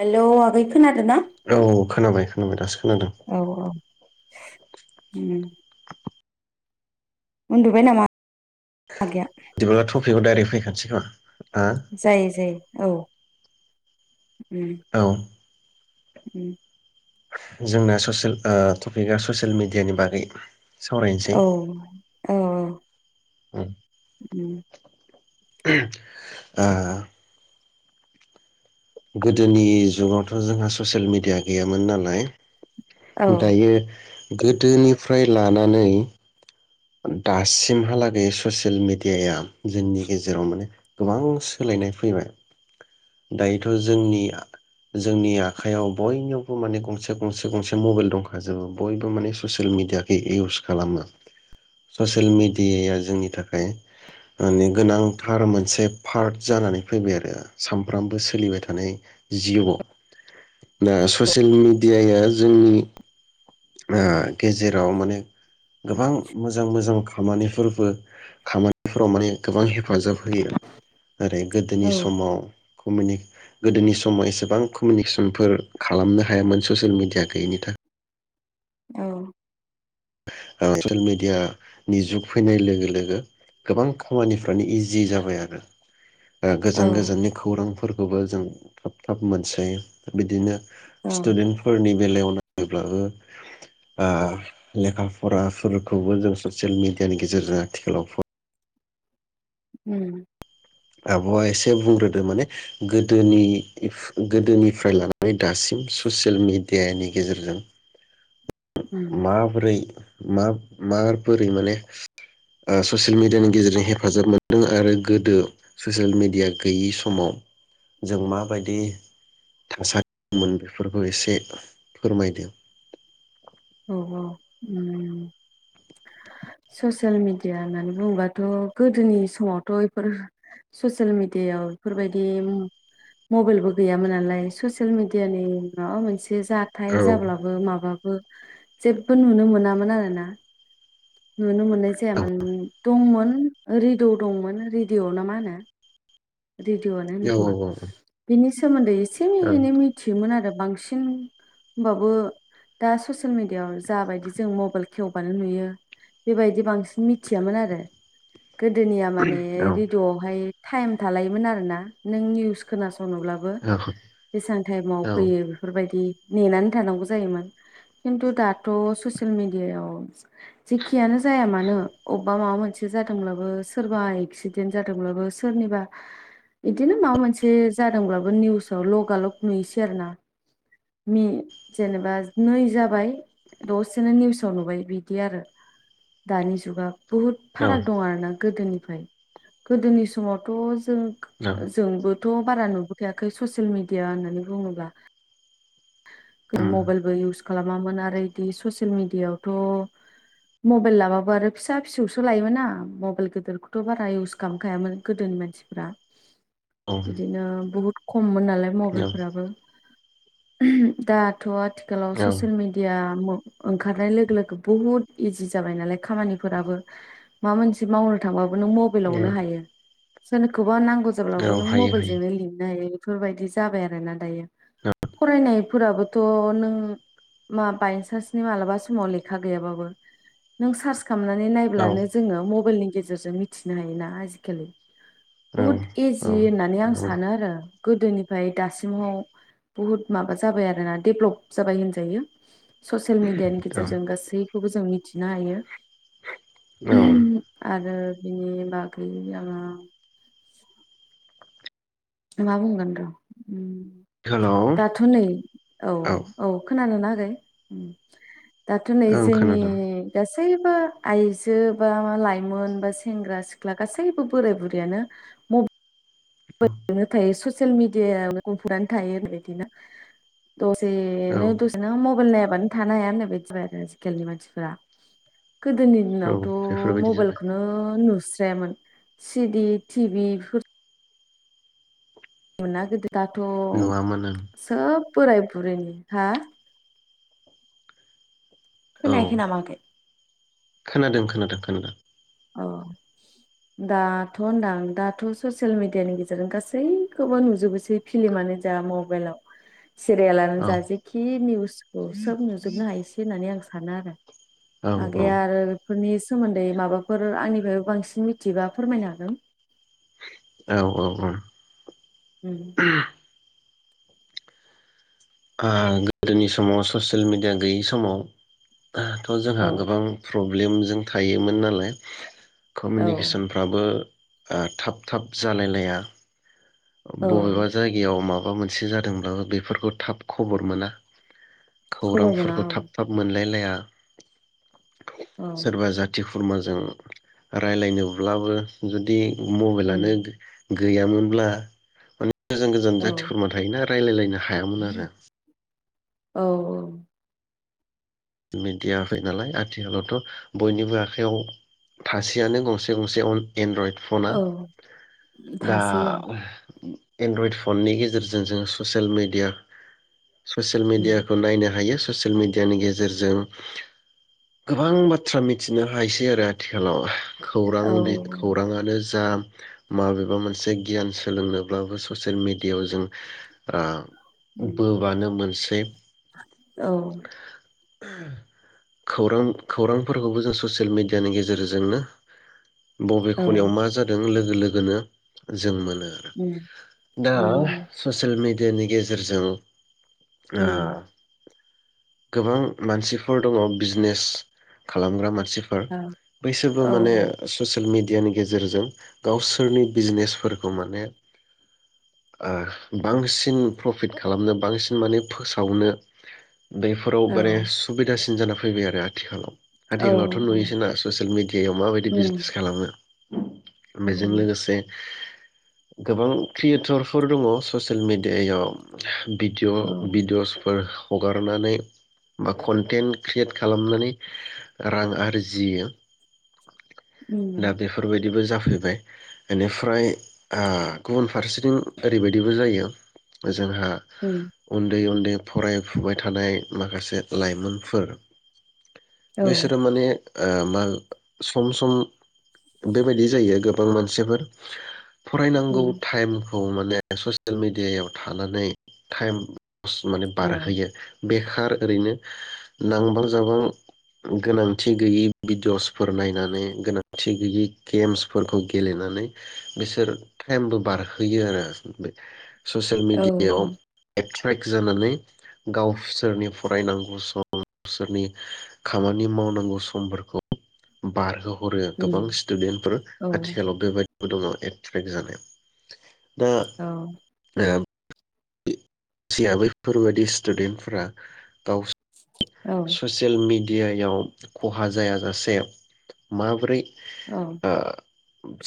हेल' आगै खोनादों ना? औ खोनाबाय खोनाबाय दासो खोनादों। औ उम उन्दुबाय नामा आगैया दिबा टपिकआव डाइरेक फैखानोसै। [unintelligible] जायो जायो औ। ओम औ ओम जोंना ससेल ओ टपिकआ ससियेल मिडियानि बागै सावरायनोसै औ औ औ। उम ओम ओ गोदोनि जुगावथ' जोंहा ससियेल मेडिया गैयामोन नालाय औ - दायो गोदोनिफ्राय लानानै दासिमहालागै ससियेल मेडियाया जोंनि गेजेराव माने गोबां सोलायनाय फैबाय दायोथ' जोंनिआ जोंनि आखाइयाव बयनावबो माने गंसे गंसे गंसे मबाइल दंखाजोबो बयबो माने ससियेल मेडियाखौै इउस खालामो ससियेल मेडियाया जोंनि थाखाय माने गोनांथार मोनसे फार्ट जानानै फैबाय आरो सामफ्रामबो सोलिबाय थानाय जिउआव दा ससियेल मेडियाया जोंनि ओ गेजेराव माने गोबां मोजां मोजां खामानिफोरबो खामानिफोराव माने गोबां हेफाजाब होयो ओरै गोदोनि औ समाव कमिनि गोदोनि समाव एसेबां कमिनिकेसनफोर खालामनो हायामोन ससियेल मेडिया गैयिनि थाख औ ओ ससियेल मेडियानि जुग फैनाय लोगो लोगो गोबां खामानिफ्रानो इजि जाबाय आरो। ओ औ गोजान गोजाननि खौरांफो फोरखौबो जों थाब थाब मोनसै बिदिनो औ स्टुदेन्टफोरनि बेलायावनो जेब्लाबो ओ लेखा फराफोरखौबो जों ससियेल मेडियानि गेजेरजों आथिखालाव फ ओम आब'आ एसे बुंग्रोदो माने गोदोनि इफ गोदोनिफ्राय लानानै दासिम ससियेल मेडियानि गेजेरजों उम माबोरै मा मा बोरै माने ओ ससियेल मेडियानि गेजेरजों हेफाजाब मोनदों आरो गोदो ससियेल मेडिया गैयि समाव जों माबायदि थासारिमोन बेफोरखौ एसे फोरमायदो। अ ओम ससेल मिडिया होननानै बुङोबाथ' गोदोनि समावथ' इफोर ससेल मिडियायाव इफोरबायदि मबेलबो गैयामोन नालाय ससेल मेडियानि माबा मोनसे से औ जाथाय जाब्लाबो माबा जेबो नुनो मोनामोन आरोना। नुनो मोननाय औ जायामोन नु दंमोन रिडौ दंमोन रिडिअ ना मा होनो? रेडिअ आनो होनो खोमा औ बेनि सा सोमोन्दै एसे औ एनै मिथियोमोन आरो बांसिन होमबाबो दा ससियेल मिडियाआव जा बायदि जों मबाइल खेवबानो नुयो बेबायदि बांसिन मिथियामोन आरो। गोदोनिया माने रेडिअ आवहाय थाइम थालायोमोन आरोना नों निउस खोनास संनोब्लाबो ओं औ बेसां टाइमाव औ फैयो बेफोरबायदि नेनानै थानांगौ जायोमोन खिन्थु दाथ' ससियेल मेडियायाव जेखियानो जाया मानो अबेबा माबा मोनसे जादोंब्लाबो सोरबा एक्सिडेन्ट जादोंब्लाबो सोरनिबा इदिनो माबा मोनसे जादोंब्लाबो निउसाव लगालग नुयोसै आरो ना नि जेनेबा नै जाबाय दसेनो निउसाव नुबाय बिदि आरो दानि जुगा बुहुत औ फाराग दं आरो ना गोदोनि गोदोनि समावथ' जों औ जोंबो थ' बारा नुबोखायाखै ससियेल मिडिया होननानै बुंङोब्ला गो उम मबाइलबो इउस खालामामोन आरो इदि ससियेल मिडियाआवथ' मबाइल लाबाबो आरो फिसा फिसौसो लायोमोना मबाइल गिदिरखौथ' बारा इउस खालामखायामोन गोदोनि मानसिफ्रा। औ बिदिनो बुहुत खममोनना लाय मबाइलफोराबो ओमह दाथ' आथिखालाव औ ससियेल मिडिया ओंखारनाय लोगो लोगो बुहुद इजि जाबाय नालाय खामानिफोराबो माबा मोनसे मावनो थांबा नों मबेलावनो हायो। जोनखो गोबां नांगौ जाब्लाबो औ नों हायो हायो मबेइलजोंनो लिरनो हायो। बेफोरबायदि जाबाय आरोना दायो। औ फरायनायफोराबोथ' नों मा बायनसान्सनि मालाबा समाव लेखा गैयाबाबो नों सार्स खामनानै औ नायब्लानो जोंङो मबाइलनि गेजेरजों मिथिनो हायोना आजिखालि। औ बुहुद औ इजि होननानै आं नंगौ सानो आरो। गोदोनि ओमफ्राय दासिमाव बुहुत माबा जाबाय आरो ना डेभलप जाबाय होनजायो। ससियेल मिडियानि औ गेजेरजों गासै खौबो जों मिथिनो हायो। औ आरो बिनि बागै जोङो ला बुंगोन र उम हेलौ दाथ नै औ औ खोनादोंना [unintelligible] दाथ नै ओं जोंनि खोनादों गासै। सैबो आइजो बा लाइमोन बा सेंग्रा सिख्ला गासैबो बोराइ बुरैयानो मब [unintelligible] जोंनि देयाव गुफुरानोयो थायो बेलायथो ना। औ दसेनो दसेनो मबेल नाय बानो थानो हाया मोननो बादि आरो आजिखालनि मानसिफ्रा। गोदोनि औ दिनावथ बेफोरबायदि जाबाय मबाइलखौनो नु- स्रायामोन सिडि टिभिफोर नुनागोदो [inaudible] दाथ नुवामोन आं सोब बोराय बुरैनि हा? औ खोनायाखै नामा ओंखाइ। खोनादों खोनादों खोनादों। औ दाथ होनदां दाथ ससियेल मिडियानि गेजेरजों गासैखौबो नुजोबोसै फिलिमानो जा मबाइलाव। सिरियालानो औ जा जेखि निउसखौ सोब नुजोबनो हायोसै होननानै आं सानो आरो औ आगेया आरो फोरनि सोमोन्दै माबा आरो आंनि‍‌फायबो बांसिन मिथियोबा फोरमायनो हागोन। औ औ औ उम ओ-गोदोनि समाव ससियेल मिडिया गैयै समाव दाथ जोंहा औ गोबां। प्रब्लेमजों थायोमोन नालाय। औ कमिउनिकेसनफ्राबो ओ-थाब थाब जालायलाया। बबेबा औ जायगायाव मा- माबा मोनसे जादोंब्लाबो बेफोरखौ थाब खबर मोना। खबर मोना खौरांफोरखौ औ थाब थाब मोनलायलाया। औ सोरबा जाथि खुरमाजों रायलायनोब्लाबो जुदि मबाइलानो उम गैयामोनब्ला गोजान गोजान औ जाथि खुरमा थायोना रायलायलायनो हायामोन आरो औ औ मेडिया फै नालाय आथिखालावथ' बयनिबो आखायाव थासैयानो गंसे गंसे एन्ड्रइड फना औ दा थासै ओं एन्ड्रयड फननि गेजेरजों जोङो ससियेल मिडिया ससियेल उम मिडियाखौ नायनो हायो ससेल मिडिया नि गे गेजेरजों गोबां बाथ्रा मिथिनो हायोसै आरो आथिखालाव खौरां औ बि खौराङानो जा माबेबा मोनसे गियान सोलोंनोब्लाबो ससेयेल मिडियायाव जों ओ बोबानो मोनसै बे औ खौरां खौरांफोरखौबो जों ससियेल मिडियानि गेजेरजोंनो बबे खनायाव औ मा जादों लोगो लोगोनो जों मोनो उम दा मोनो चसेल मिडि यानि गेजेरजों ओ उम गोबां मानसिफोर दङ बिजिनेस खालामग्रा मानसि मानसिफोर औ बैसोरबो माने औ ससियेल मिडिया यानि गेजेरजों गावसोरनि बिजनेफोरखौ माने आ बांसिन प्रफिट खालामनो बांसिन माने फोसावनो दै फोराव औ बारे सुबिदासिन जाना फैबाय आरो आथिखालाव औ आथिखालावथ' नुयोसोना ससियेल मिडियायाव माबायदि बिजिनेस खालामो [inaudible] औ बेजों लोगोसे गोबां क्रियेटरफोर दङ ससियेल मिडियायाव भिडिअ औ भिडिअसफोर हगारनानै बा कन्टेन्ट क्रियेट खालामनानै रां आरजियो दा उम बेफोरबायदिबो जा फैबाय बेनिफ्राय ओ गुबुन फारसे थिं ओरैबाय दिबो जायो जोंहा उम औ उम उन्दै उन्दै फरायफुबाय थानाय माखासे लाइमोनफोर औ बिसोरो माने ओ मा सम सम बेबायदि जायो गोबां मानसिफोर फरायनांगौ उम टाइम खौ माने ससियेल मिडियायाव थानानै टाइम माने औ बारहोयो। ओरैनो नांबां जाबां गोनांथि गैयै भिडिअसफोर नायनानै गोनांथि गैयै गेम्सफोरखौ गेलेनानै बिसोर टाइमबो बारहोयो आरो। ससियेल औ मिडियायाव एकटिभ फ्रेक जानानै गावस सोरनि फरायनांगौ सोरनि खामानि मावनांगौ समफोरखौ बारहोहर हरो गोबां स्टुदेन्ट फोर आथिखालाव बेबायदि दंङ एट्रेक जानाय दा ओ [unintelligible] बैफोरबायदि स्टुडेन्टफोरा दाउस औ ससेल मिडि ए आइ आव खहा जायाजासे माब्रै औ।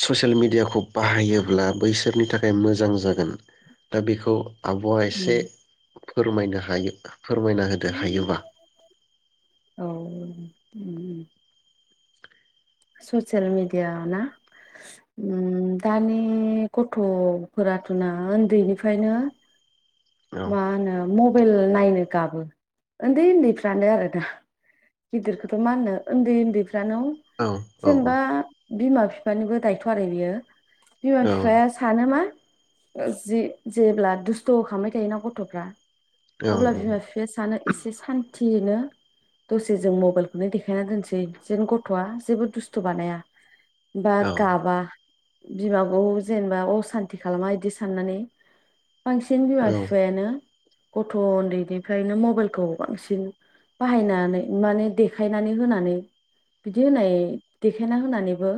ससियेल मिडियाखौ बाहायोब्ला बैसोरनि थाखाय मोजां जागोन दा बेखौ आब' उम एसे- फोरमायनो हायो। फोरमायना होदो हायोबा औ उम ससियेल मिडिया ना ओम दानि गथ'फोराथ' ना उन्दैनिफ्रायनो औ मा होनो म मबाइल नायनो गाबो उन्दै उन्दैफ्रानो आरोना गिदिरखौथ' मा होननो उन्दै उन्दै बिनानाव औ औ जेनेबा बिमा बिफानिबो दायथ आरो बियो। बिमा औ बिफाया सानो मा जि जेब्ला दुस्थ खामबाय थायो जायो ना गथ'फ्रा औ अब्ला बिमा बिफाया सानो एसे सान्थि दियैनो दसे जों मबाइलखौनो देखायना होनसै जेन गथ'आ जेबो दुस्थ' बानाया। बा औ गाबा बिमाखौ जेनेबा असान्थि खालामा इदि साननानै बांसिन बिमा फि नो गथ' उन्दैनिफ्रायनो मबाइलखौ बांसिन बाहायनानै माने देखायनानै होनानै बिदि होनाय देखायना होनानैबो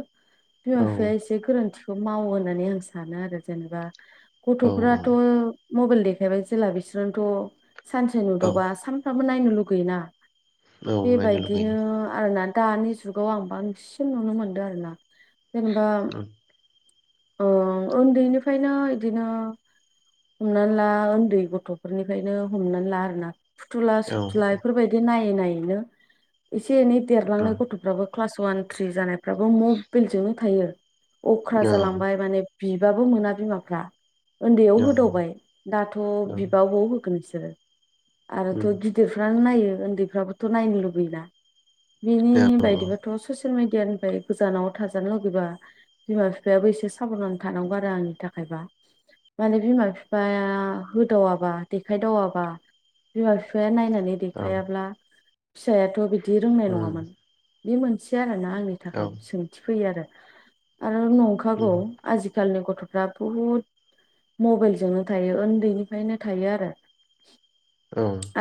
बिमा बिफाया एसे गोरोन्थि खौ मावो होन्नानै आं सानो आरो जेनेबा औ गथ'फ्राथ' मबेल देख खायबाय जेला बिस्रानथ'। सानसे औ नुदावबा सानफ्राम बो नायनो लुगैयोना। औ नायनो बेबायदिनो लुगैयो आरोना दानि जुगाव आं बांसिन नुनो मोनदो आरोना। जेनेबा। औ औ ओन्दैनिफायनो इदिनो हमनानै ला ओन्दै गथ'फोरनिफायनो हमनानै ला आरोना। फुथुला औ औ सुथुला औ इफोरबायदि नायै नायै [unintelligible] एसे एनै देरलांनाय औ औ गथ'फ्राबो क्लास वान थ्रि जानाय फ्राबो मबेलजोंनो थायो। अख्राज जालांबाय माने बिबाबो मोना बिमाफ्रा। ओन्दैयाव होदावबाय दाथ' बिबा अबाव होगोनस सोरो आरोथ' गिदिरफ्रानो नायो ओ ओन्दैफ्राबोथ' नायनो लुबैयोना। बिनि बायदिबाथ' ससे सेल मिडियानिफाय गोजानाव थाजानो लुगैबा बिमा बि फायाबो एसे साब'धान थानांगौ आरो आंनि थाखायबा माने बिमा बिफाया होदावाबा देखायदावाबा बिमा बिफाया नायना नै देखायाब्ला। फिसायाथ' बि दि रोंनाय नङामोन। बे मोनसे आरो ना। आंनि थाखाय सोंथि फैयो आरो। आरो नं खागौ आजि खालिनि गथ' फ्रा बुहुद मबाइलजोंनो थायो उन्दैनिफ्रायनो थायो आरो।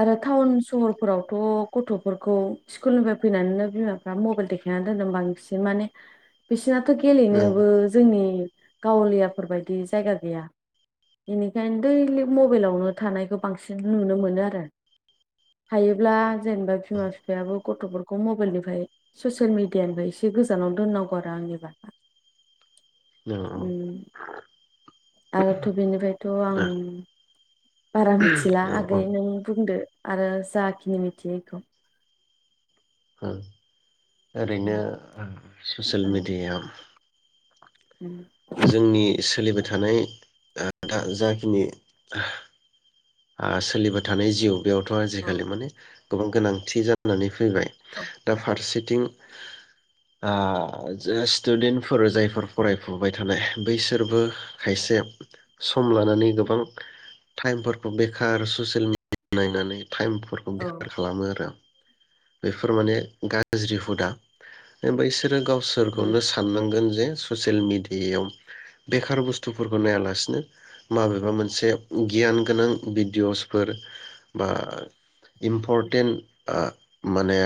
आरो टाउन स हरफोरावथ' गथ'फोरखौ स्कुलनिफ्राय फैनानैनो बिमाफ्रा मबाइल देखायनानै दोनदों बांसिन माने बे सिनाथ' गेलेनोबो जोंनि गावलियाफोरबायायदि जायगा गैया। बेनिखायनो दैलिग मबाइलावनो थानायखौ बांसिन नुनो मोनो आरो हायोब्ला जेनेबा बिमा बिफायाबो गथ'फोरखौ मबाइलनिफ्राय ससियेल मिडियानिफ्राय एसे गोजानाव दोननांगौ आरो आंनि बा। उम आरोथ' बेनिफ्रायथ' आं बारा मिथिला आगै नों बुंदो। आरो जाखिनि मिथियो बिखौ ओं औ ओरैनो ओ स'सेल मिडियाया जोंनि सोलिबाय थानाय ओ दा जाखिनि आ सोलिबाय थानाय जिउ बेयावथ' आजिखालि माने गोबां गोनांथि जानानै फैबाय औ दा फारसे थिं आ जा स्टुडेन्टफोर जायफोर फरायफुबाय थानाय बैसोरबो खायसे सम लानानै गोबां टाइमफोर बेखार ससियेल मिडिया नायनानै टाइमफोरखौ औ बेखार खालामो आरो। बेफोर माने गाज्रि हुदा ओमफ्राय बैसोर गाव उम सोरखौनो साननांगोन जे जे ससियेल मिडियायाव बेखार बुस्थुफोरखौ नायालासिनो माबेबा मोनसे गियान गोनां भिडिअसफोर बा इम्परटेन्ट आ माने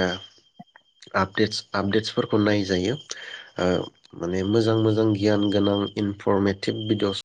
आपडेटस-आपडेटसफोरखौ नायजायो ओ माने मोजां मोजां गियान गोनां इनफरमेटिभ भिडिअ'स